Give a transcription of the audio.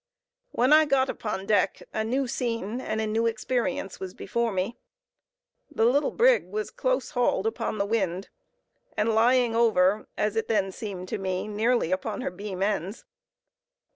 When I got upon deck, a new scene and a new experience was before me. The little brig was close hauled upon the wind, and lying over, as it then seemed to me, nearly upon her beam ends.